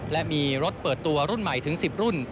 และมีรถเปิดตัวรุ่นใหม่ถึง๑๐รุ่น